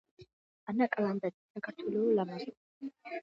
ანა კალანდაძის: საქართველოო ლამაზო